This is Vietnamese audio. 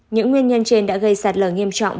những nguyên nhân trên đã gây sạt lở nghiêm trọng